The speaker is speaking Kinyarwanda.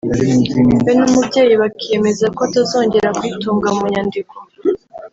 we n’umubyeyi bakiyemeze ko atazongera kuyitunga mu nyandiko